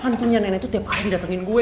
mampunya nenek tuh tiap hari datengin gue